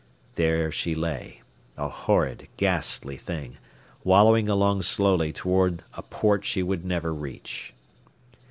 There she lay, a horrid, ghastly thing, wallowing along slowly toward a port she would never reach.